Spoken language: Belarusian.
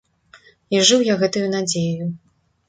І жыў я гэтаю надзеяю.